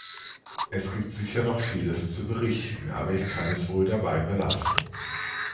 Es gibt sicher noch vieles zu berichten, aber ich kann es wohl dabei belassen.